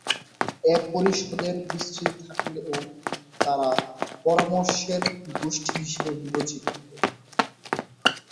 এ পরিষদের বিস্তৃতি থাকলেও তারা পরামর্শ গোষ্ঠী হিসেবে বিবেচিত হতো।